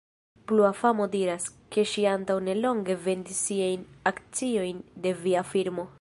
Plua famo diras, ke ŝi antaŭ nelonge vendis siajn akciojn de via firmo.